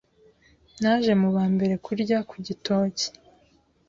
Naje mu ba mbere kurya ku gitoki